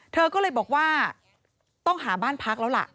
เธอก็เลยบอกว่าต้องหาบ้านพักแล้วล่ะ